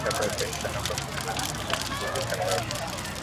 Damu huganda kwa wepesi sana kwa mnyama aliyekufa kwa ugonjwa wa chambavu